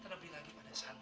terlebih lagi pada santi